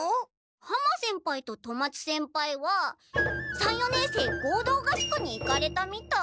浜先輩と富松先輩は三四年生合同合宿に行かれたみたい。